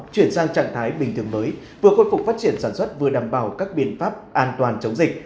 chuyển sang trạng thái bình thường mới vừa khôi phục phát triển sản xuất vừa đảm bảo các biện pháp an toàn chống dịch